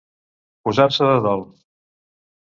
Posar-se de dol.